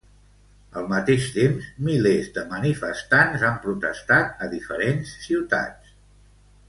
Al mateix temps, milers de manifestants han protestat a diferents ciutats.